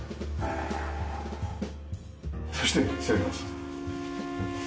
そして失礼します。